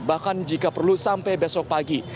bahkan jika perlu sampai besok pagi